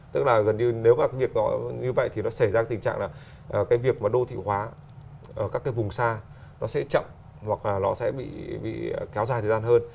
tức là gần như nếu mà cái việc đó như vậy thì nó xảy ra tình trạng là cái việc mà đô thị hóa ở các cái vùng xa nó sẽ chậm hoặc là nó sẽ bị kéo dài thời gian hơn